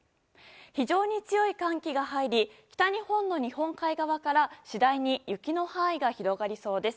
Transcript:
非常に強い寒気が入り北日本の日本海側から次第に雪の範囲が広がりそうです。